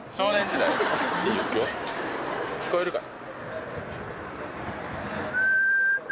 聞こえるかな？